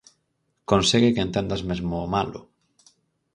Consegue que entendas mesmo ao "malo".